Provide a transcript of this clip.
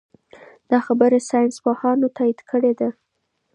دا خبره ساینس پوهانو تایید کړې ده.